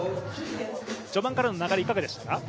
序盤からの流れはいかがでしたか？